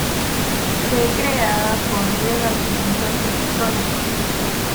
Fue creada por un levantamiento tectónico.